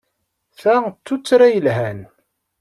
Ta d tuttra yelhan.